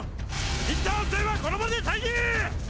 インターン生はこの場で待機！